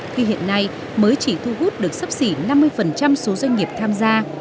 khi hiện nay mới chỉ thu hút được sắp xỉ năm mươi số doanh nghiệp tham gia